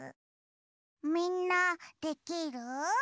みんなできる？